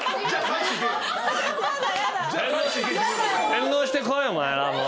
返納してこいお前ら。